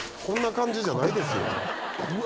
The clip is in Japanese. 「こんな感じ」じゃないですよ。